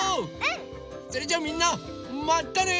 それじゃあみんなまたね！